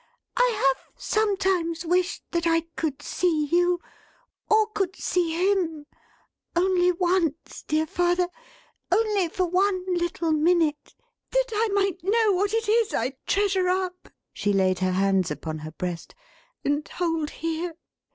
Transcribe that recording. I have sometimes wished that I could see you, or could see him; only once, dear father; only for one little minute; that I might know what it is I treasure up," she laid her hands upon her breast, "and hold here!